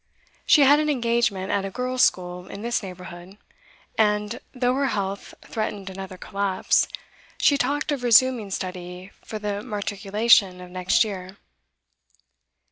She had an engagement at a girls' school in this neighbourhood, and, though her health threatened another collapse, she talked of resuming study for the Matriculation of next year.